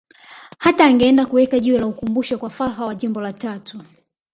Hata angeenda kuweka jiwe la ukumbusho kwa Fuhrer wa Jimbo la Tatu